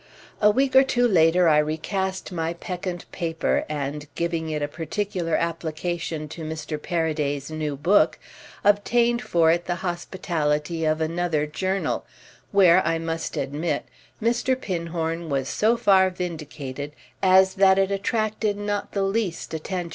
A week or two later I recast my peccant paper and, giving it a particular application to Mr. Paraday's new book, obtained for it the hospitality of another journal, where, I must admit, Mr. Pinhorn was so far vindicated as that it attracted not the least attention.